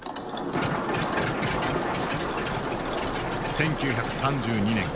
１９３２年。